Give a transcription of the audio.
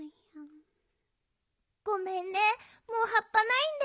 ごめんねもうはっぱないんだよ。